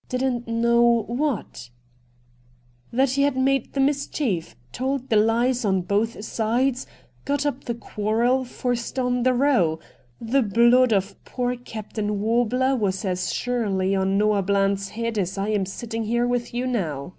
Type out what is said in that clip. ' Didn't know what .^'' That he had made the mischief — told the lies on both sides — got up the quarrel — forced on the row. The blood of poor Captain Warbler was as surely on Noah Bland's head as I am sitting here with you now.'